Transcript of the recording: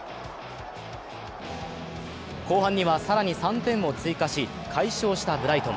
後半には更に３点を追加し快勝したブライトン。